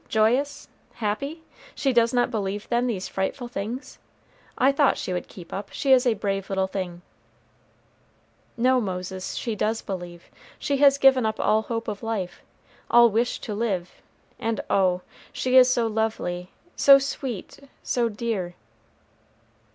joyous! happy! She does not believe, then, these frightful things? I thought she would keep up; she is a brave little thing." "No, Moses, she does believe. She has given up all hope of life, all wish to live; and oh, she is so lovely, so sweet, so dear."